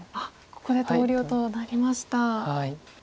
ここで投了となりました。